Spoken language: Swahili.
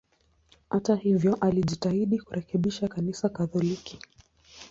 Hata hivyo, alijitahidi kurekebisha Kanisa Katoliki.